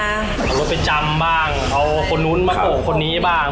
เอารถไปจำบ้างเอาคนนู้นมาโกะคนนี้บ้าง